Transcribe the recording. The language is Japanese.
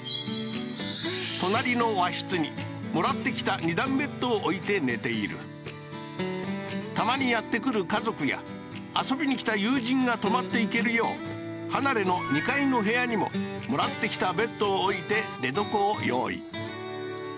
隣の和室にもらってきた２段ベットを置いて寝ているたまにやって来る家族や遊びに来た友人が泊まっていけるよう離れの２階の部屋にももらってきたベッドを置いて寝床を用意